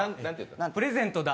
プレゼントだ。